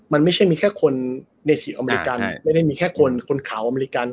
มันไม่ใช่มีแค่คนในทีมอเมริกันไม่ได้มีแค่คนคนข่าวอเมริกัน